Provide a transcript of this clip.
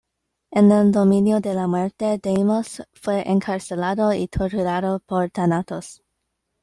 En el dominio de la muerte, Deimos fue encarcelado y torturado por Tánatos.